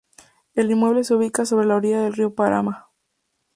El inmueble se ubica sobre la orilla del Río Paraná.